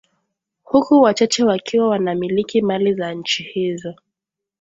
Huku wachache wakiwa wanamiliki mali za nchi hizo